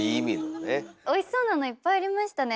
おいしそうなのいっぱいありましたね。